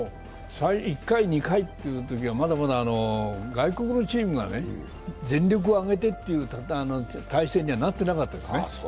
１回、２回というときは、まだまだ外国のチームが全力を挙げてという体制にはなっていなかったですね。